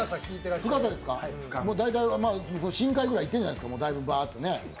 大体、深海ぐらい、行ってるんじゃないですか、バーッと。